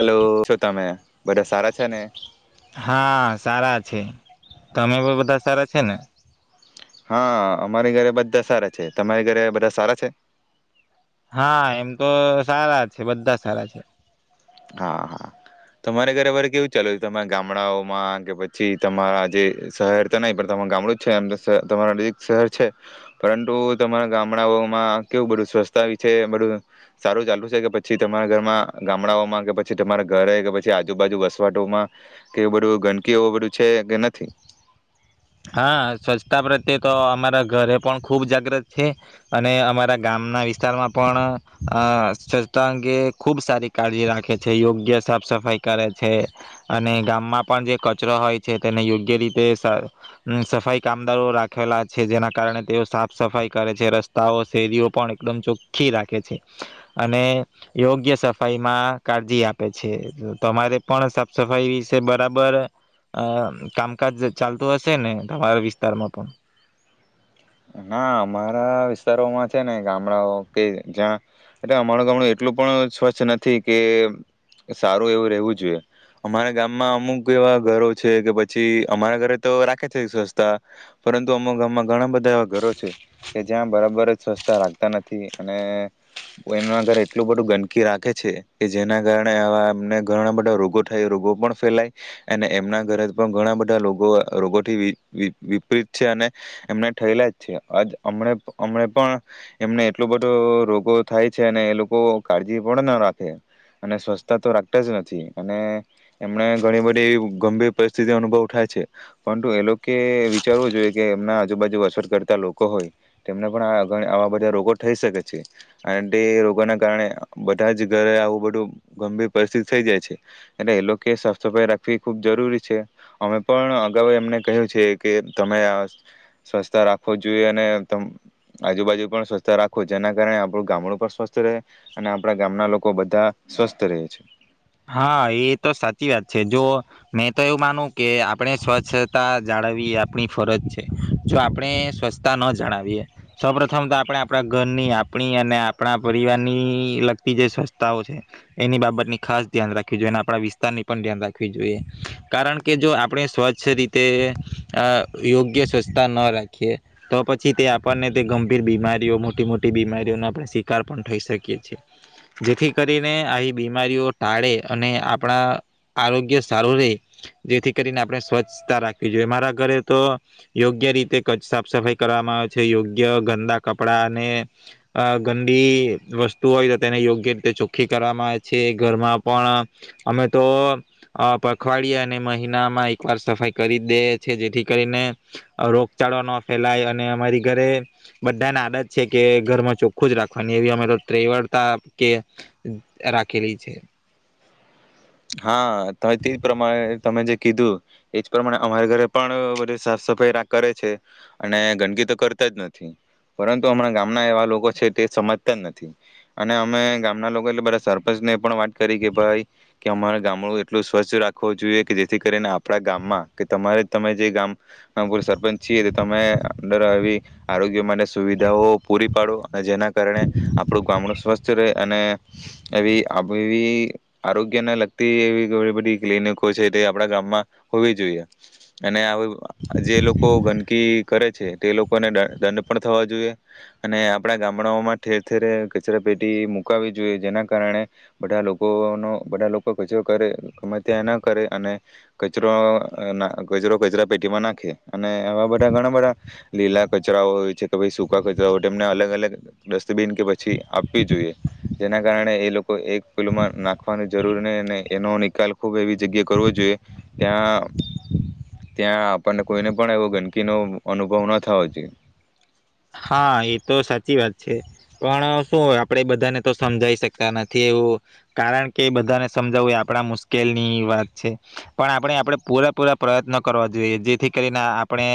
Hello શું તમે બધા સારા છે ને? હા સારા છે તમે પણ બધા સારા છે ને? હા અમારી ઘરે બધા સારા છે તમારી ઘરે બધા સારા છે? હા એમ તો સારા છે બધા સારા છે. હા હા, તમારે ઘરેવારે કેવું ચાલુ છે તમારા ગામડાઓમાં કે પછી તમારા જે શહેર તો નહી પણ તમા ગામડું જ છે એમ તો તમારા નજીક શહેર છે, પરંતુ તમારા ગામડાઓમાં કેવું બધું સ્વચ્છતા વિશે બધું સારું ચાલું છે કે પછી તમારા ઘરમાં ગામડાઓમાં કે પછી તમારા ઘરે કે પછી આજુબાજુ વસવાટોમાં, કેવું બધું ગંદકી એવું બધું છે કે નથી? હા સ્વચ્છતા પ્રત્યે તો અમારા ઘરે પણ ખૂબ જાગ્રત છે, અને અમારા ગામના વિસ્તારમાં પણ અ સ્વચ્છતા અંગે ખૂબ સારી કાળજી રાખે છે યોગ્ય સાફ સફાઈ કરે છે, અને ગામમાં પણ જે કચરો હોય છે તેને યોગ્ય રીતે સફાઈ કામદારો રાખેલા છે જેના કારણે તેઓ સાફ સફાઈ કરે છે રસ્તાઓ શેરીઓ પણ એકદમ ચોખ્ખી રાખે છે, અને યોગ્ય સફાઈમાં કાળજી આપે છે તમારે પણ સાફ સફાઈ વિશે બરાબર અ કામકાજ ચાલતું હશે? છેને તમારા વિસ્તારમાં પણ? ના અમારા વિસ્તારોમાં છે ને ગામડાઓ કે જ્યાં, એટલે અમારું ગામડું એટલું પણ સ્વચ્છ નથી કે સારું એવું રેવું જોઈએ, અમારા ગામમાં અમુક એવા ઘરો છે કે પછી અમારા ઘરે તો રાખે છે સ્વચ્છતા, પરંતુ અમુક ગામમાં ઘણા બધા ઘરો છે. કે જ્યાં બરાબર સ્વચ્છતા રાખતા નથી અને, એના ઘર એટલું બધું ગંદકી રાખે છે કે જેના કારણે આ એમને ઘણા બધા રોગો થાય રોગો પણ ફેલાય, અને એમના ઘરે પણ ઘણા બધા રગો રોગોથી વિપરીત છે અને, એમને થયેલા હમ પણ, એમને એટલો બધો રોગો થાય છે અને એ લોકો કાળજી પણ ના રાખે, અને સ્વચ્છતા તો રાખતા જ નથી અને, એમણે ઘણી બધી ગંભીર પરિસ્થિતિ અનુભવ થાય છે, પરંતુ એ લોકો વિચારવું જોઈએ કે એમના આજુબાજુ અસર કરતા લોકો હોય, તેમને પણ આવા બધા રોગો થઈ શકે છે, અને તે રોગોને કારણે બધા જ ઘરે આવું બધું ગંભીર પરિસ્થિતિ થઈ જાય છે, એટલે એ લોકો સાફ સફાઈ રાખવી ખૂબ જરૂરી છે, અમે પણ અગાઉ એમને કહ્યું છે કે તમે સ્વચ્છતા રાખ રા જોઈએ અને ત આજુબાજુ પણ સ્વસ્થ રાખો જેના કારણે આપણું ગામડું પણ સ્વસ્થ રહે, અને આપણા ગામના લોકો બધા સ્વસ્થ રહે છે. હા એ તો સાચી વાત છે જો, મેં તો એવું માનું કે આપણે સ્વચ્છતા જાળવી આપણી ફરજ છે, જો આપણે સ્વચ્છતા ન જાણવીએ સૌપથમ તો આપણે આપણા ઘરની આપણી અને આપણા પરિવારની લગતી જે સ્વચ્છતાઓ છે, એની બાબતની ખાસ રાખ જોઈએ આપણા વિસ્તારની પણ ધ્યાન રાખવી જોઈએ, કારણ કે જો આપણે સ્વચ્છ રીતે યોગ્ય સ્વચ્છતા ન રાખીએ તો પછી તે આપણને તે ગંભીર બીમારીઓ મોટી મોટી બીમારીઓનો આપણે શિકાર પણ થઈ શકીએ છે, છીએ જેથી કરીને આવી બીમારીઓ ટાળે અને આપણા આરોગ્ય સારું રહે, જેથી કરીને આપણે સ્વચ્છતા રાખવી જોઈએ મારા ઘરે તો, યોગ્ય રીતે કચ્છ સાફ સફાઈ કરવામાં આવે છે યોગ્ય ગંદા કપડાં અને, ગંદી વસ્તુ હોય તો તેને યોગ્ય રીતે ચોખ્ખી કરવામાં આવે છે. ઘરમાં પણ, અમે તો પખવાડયે અને મહિનામાં એકવાર સફાઈ કરી દે છે જેથી કરીને રોગચાળો ન ફેલાય, અને અમારી ઘરે બધાને આદત છે કે ઘરમાં ચોખ્ખું જ રાખવાની એવી અમે તો ત્રવળતા કે રાખેલી છે. છે. હા તેજ પ્રમાણે તમે જે કીધું, એજ પ્રમાણે અમારા ઘરે પણ બધી સાફ સફાઈ રા કરે છે, અને ગંદકી તો કરતા જ નથી, પરંતુ હમણાં ગામના એવા લોકો છે તે સમજતા જ નથી, અને અમે ગામના લોકો એટલે બધા સરપંચને એ પણ વાત કરી કે ભાઈ. કે અમારે ગામડું એટલું સ્વચ્છ રાખવું જોઈએ કે જેથી કરીને આપણા ગામમાં કે તમારે તમે જે ગામ, સરપંચ છીએ તમે અંદર આવી આરોગ્ય માટે સુવિધાઓ પૂરી પાડો અને જેના કારણે, આપણું ગામડું સ્વસ્થ રહે. અને, એવી આવી આરોગ્ય લગતી એવી બધી ક્લિનિકો છે તે આપણા ગામમાં, હોવી જોઈએ, અને જે લોકો ગંદકી કરે છે તે લોકોને દંડ પણ થવા જોઈએ, અને આપણા ગામડાઓમાં ઠેર ઠેરે કચરા પેટી મુકાવવી જોઈએ જેના કારણે, બધા લોકોનો બધા લોકો કચરો કરે ત્યાં ના કરે અને, કચરો કચરો કચરા પેટીમાં નાખે અને આવા બધા ઘણા બધા, લીલા કચરાઓ હોય છે કે ભ સૂકા કચરા હોય એમને અલગ અલગ ડસ્ટબીન કે પછી પછી આપવી જોઈએ. જેના કારણે એ લોકો એક ફુલમાં નાખ રાખવાની જરૂર નહી એનો નિકાલ ખૂબ એવી જગ્યાએ કરવો જોઈએ, ત્યાં ત્યાં આપણને કોઈને પણ એવો ગંદકીનો અનુભવ ન થવો જોઈએ. હા એ તો સાચી વાત છે, પણ શું હોય આપડે બધાને તો સમજાઈ શકતા નથી એવું, કારણ કે બધાને સમજાવવું એ આપણા મુશ્કેલની વાત છે, પણ આપણે આપણે પૂરાપૂરા પ્રયત્ન કરવા જોઈએ જેથી કરીને આપણે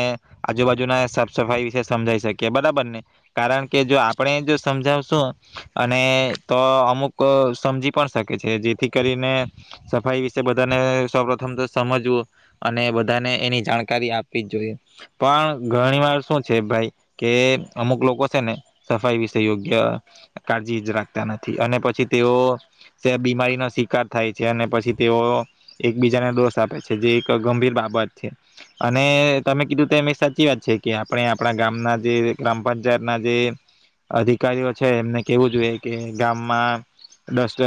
આજુબાજુના સાફ સફાઈ વિશે સમજાઈ શકીએ. કે બરાબર ને, કારણ કે જો આપણે જો સમજાવશું, અને તો અમુક સમજી પણ શકે છે જેથી કરીને, સફાઈ વિશે બધાને સૌપથમ તો સમજવું, અને બધાને એની જાણકારી આપવી જ જોઈએ, પણ ઘણી વાર શું છે ભાઈ. કે અમુક લોકો છે ને સફાઈ વિશે યોગ્ય કાળજી રાખતા નથી અને પછી તેઓ, બીમારીનો શિકાર થાય છે અને પછી તેઓ એકબીજાને દોષ આપે છે જે એક ગંભીર બાબત છે, અને તમે કીધું તેમ અ સાચી વાત છે કે આપણે આપણા ગામના જે ગ્રામ પંચાયત ના જે, અધિકારીઓ છે એમને કેવું જોઈએ કે ગામમાં, ડસ્ટ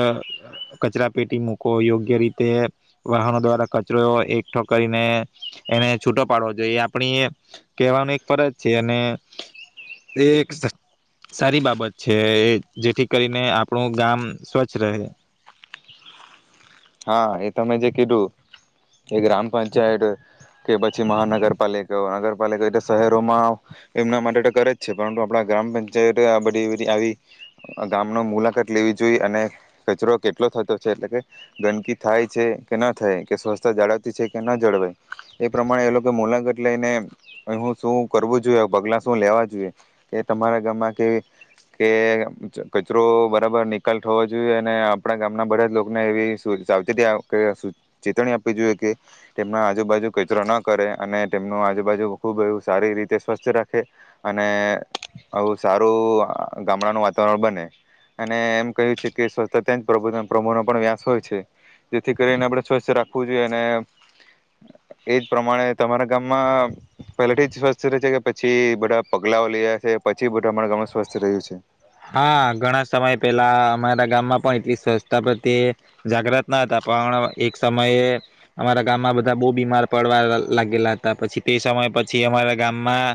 કચરા પેટી મૂકો યોગ્ય રીતે વાહનો દ્વારા કચરો એકઠો કરીને, એને છૂટો પાડવો જોઈએ આપણી કહેવાનો એક ફરજ છે અને, એ એક સારી બાબત છે જેથી કરીને આપણું ગામ સ્વચ્છ રહે. હા એ તમે જે કીધું, એ ગ્રામ પંચાયત કે પછી મહાનગરપાલિકા નગરપાલિકા એ શહેરોમાં, એમના માટે તો કરે જ છે પરંતુ આપણા ગ્રામ પંચાયતે આ બધી આવી ગામનો મુલાકાત લેવી જોઈએ અને કચરો કેટલો થતો છે એટલે કે. ગંદકી થાય છે કે ના થાય કે સ્વચ્છતા જાળવતી છે કે ન જળવાય, એ પ્રમાણે એ લોકો મુલાકાત લઈને હું શું કરવું જોઈએ પગલાં શું લેવા જોઈએ, કે તમારા ગામમાં કે, કે કચરો બરાબર નિકાલ થવો જોઈએ અને આપણા ગામના બધા જ લોકોને એવી સાવચેતી ચેતણી આપવી જોઈએ કે, તેમના આજુબાજુ કચરો ન કરે અને તેમનું આજુબાજુ ખુબ એવ સારી રીતે સ્વસ્થ રાખે, અને આવું સારું ગામડાનું વાતાવરણ બને, અને એમ કહ્યું છે કે સ્વસ્થતાં જ પ્રભુનો પણ વ્યાસ હોય. છે, જેથી કરીને આપણે સ્વસ્થ રાખવું જોઈએ અને એજ પ્રમાણે તમારા ગામમાં પહેલાથી જ સ્વસ્થ રહે છે કે પછી બધા પગલાઓ લયા છે પછી બધું અમારા ગામમાં સ્વસ્થ રહ્યું છે? હા ઘણા સમય પેલા અમારા ગામમાં પણ એટલી સ્વચસ્તા પ્રત્યે, જાગ્રત ના હતા પણ એક સમયે અમારા ગામમાં બધા બહુ બીમાર પડવા લાગેલા હતા પછી તે સમય પછી અમારા ગામમાં,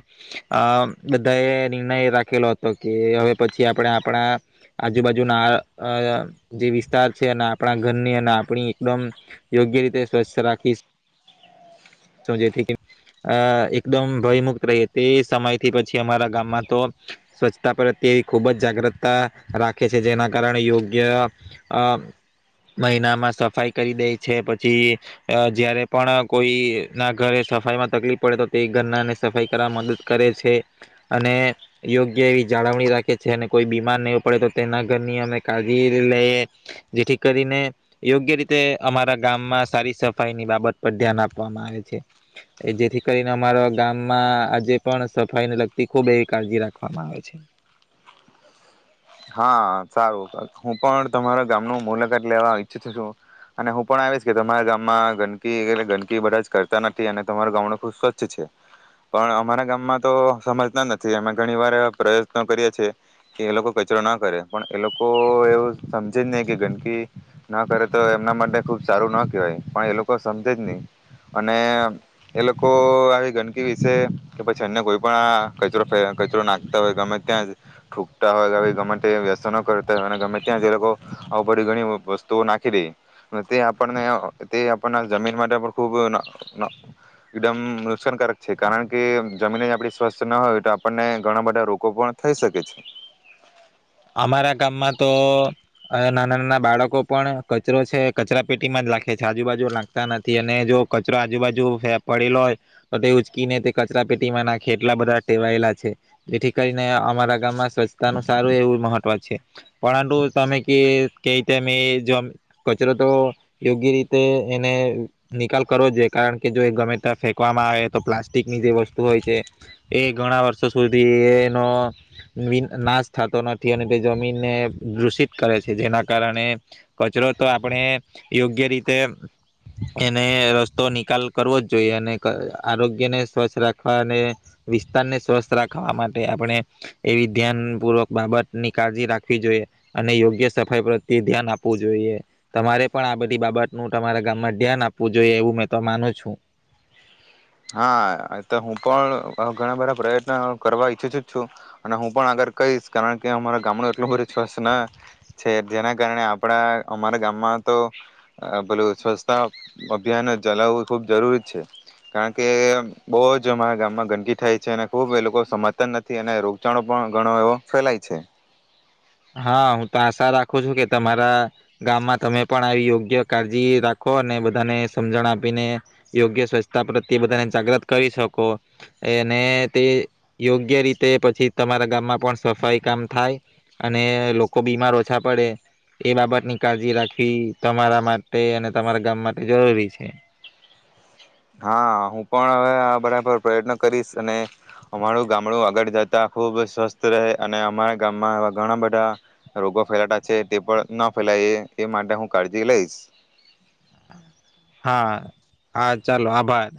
અ બધા એ નિર્ણય રાખેલો હતો કે હવે પછી આપણે આપણા, આજુબાજુના જે વિસ્તાર છે અને આપણા ઘરની અને આપણી એકદમ, યોગ્ય રીતે સ્વચ્છ રાખી જેથી એકદમ ભયમુક્ત રહીએ તે સમયથી પછી અમારા ગામમાં તો, સ્વચ્છતા પર તેવી ખૂબ જ જાગૃતતા, રાખે છે જેના કારણે યોગ્ય, અ મહિનામાં સફાઈ કરી દે છે પછી, જયારે પણ કોઈ ના ઘરે સફાઈમાં તકલીફ પડે તો તે ઘરનાને સફાઈ કરવા મદદ કરે છે, અને યોગ્ય એવી જાળવ અને કોઈ બીમાર ન પડે તો તેના ઘરની અમે કાળજી લઈએ, જેથી કરીને યોગ્ય રીતે અમારા ગામમાં સારી સફાઈ ની બાબત પર ધ્યાન આપવામાં આવે છે, જેથી કરીને અમારા ગામમાં આજે પણ સફાઈને લગતી ખુબ એવી કાળજી રાખવામાં આવે છે. હા સારું હું પણ તમારા ગામ નું મુલાકાત લેવા ઈચ્છી છું, અને હું પણ આવીશ કે તમારા ગામમાં ગંદકી એ ગંદકી બધા જ કરતા નથી અને તમારા ગામ ન ખુબ સ્વચ્છ છે, પણ અમારા ગામમાં તો સમજતા નથી અમે ઘણી વાર પ્રયત્નો કરીએ છીએ, કે એ લોકો કચરો ન કરે પણ એ લોકો એવું સમજે જ નહીં કે ગંદકી ન કરે તો એમના માટે ખૂબ સારું ન કહેવાય પણ એ લોકો સમજે જ નહીં અને એ લોકો આવી ગંદકી વિશે કે પછી અન્ય કોઈ પણ આ કચરો ફે કચરો નાખતા હોય ગમે ત્યાં ઠૂંકતા હોય કે વ્યસ કરતા હોય અને ગમે ત્યાં જે લોકો આવ બધી ઘણી વસ્તુઓ નાખી દે તે આપણને તે આપણ જમીન માટે પણ ખૂબ એકદમ નુકસાનકારક છે કારણ કે જમીન આપ સ્વસ્થ ના હોય તો આપણને ઘણા બધા રોગ પણ થઈ શકે છે. અમારા ગામમાં તો નાના નાના બાળકો પણ કચરો છે કચરા પેટીમાં જ નાખે છે આજુબાજુ લખતા નથી અને જો કચરો આજુબાજુ પડેલો હોય તો તે ઉચકીને તે કચરા પેટીમાં નાખે એટલા બધા ટેવાયેલા છે જેથી કરીને અમારા ગામમાં સ્વચ્તા નું સારું એવું મહત્વ છે પરંતુ તમે કે ક રીતેમે કચરો તો યોગ્ય રીતે એને નિકાલ કરો જ છે કારણ કે જો એ ગમે ત ફેંકવામાં આવે તો પ્લાસ્ટિકની જે વસ્તુ હોય છે એ ઘણા વર્ષો સુધી એનો નાશ થતો નથી અને તે જમીનને દૂષિત કરે છે જેના કારણે કચરો તો આપણે યોગ્ય રીતે એને રસ્તો નિકાલ કરવો જ જોઈએ અને આરોગ્યને સ્વસ્થ રાખવા અને વિસ્તારને સ્વસ્થ રાખવા માટે આપણે એવી ધ્યાન પૂર્વક બાબત ની કાળજી રાખવી જોઈએ અને યોગ્ય સફાઈ પ્રત્યે ધ્યાન આપવું જોઈએ તમારે પણ આ બધી બાબતનું તમારા ગામમાં ધ્યાન આપવું જોઈએ એવું મેં તો માનું છું. હા એ તો હું પણ ઘણા બધા પ્રયત્ન કરવા ઈચ્છું છું જ છું અને હું પણ આગળ કહીશ કારણ કે અમારા ગામનું એટલું બધું સ્વચ્છ છે જેના કારણે આપણા અમારા ગામમાં તો બધું સ્વચ્છતા અભિયાન ચલાવવું ખૂબ જરૂરી છે. કારણ કે બહુ જ અમારા ગામમાં ગંદકી થાય છે અને ખુબ એ લોકો સમજતા નથી અને રોગચાળો પણ ઘણો એવો ફેલાય છે. હા હું તો આશા રાખું છું કે તમારા ગામમાં તમે પણ આવી યોગ્ય કાળજી રાખો અને બધાને સમજણ આપીને યોગ્ય સ્વચ્છતા પ્રત્યે બધાને જાગ્રત કરી શકો અને તે યોગ્ય રીતે પછી તમારા ગામમાં પણ સફાઈ કામ થાય. અને લોકો બીમાર ઓછા પડે એ બાબત ની કાળજી રાખવી તમારા માટે અને તમારા ગામ માટે જરૂરી છે. હા હું પણ હવે આ બરાબર પ્રયત્ન કરીશ અને અમારું ગામડું આગળ જતા ખૂબ સ્વસ્થ રહે અને અમારા ગામમાંવા ઘણા બધા રોગો ફેલાતા છે તે પણ ન ફેલાય એ માટે હું કાળજી લઈશ. હા હા ચાલો આભાર.